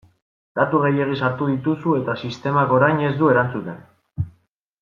Datu gehiegi sartu dituzu eta sistemak orain ez du erantzuten.